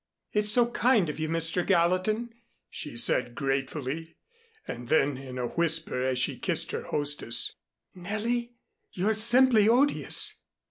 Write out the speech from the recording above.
"It's so kind of you, Mr. Gallatin," she said gratefully, and then, in a whisper as she kissed her hostess, "Nellie, you're simply odious!"